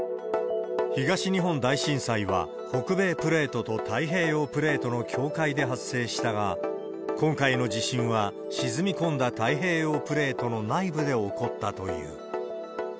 東日本大震災は、北米プレートと太平洋プレートの境界で発生したが、今回の地震は沈み込んだ太平洋プレートの内部で起こったという。